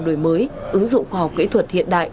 đổi mới ứng dụng khoa học kỹ thuật hiện đại